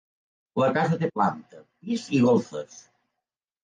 La casa té planta, pis i golfes.